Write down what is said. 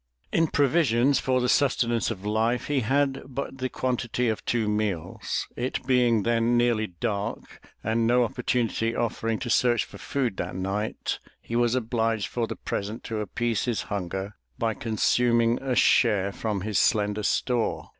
In provisions for the sustenance of life, he had but the quantity of two meals. It being then nearly dark, and no oppor tunity offering to search for food that night, he was obliged for the present to appease his hunger by consuming a share from his slender store.